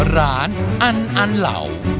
ร้านอันอันเหล่า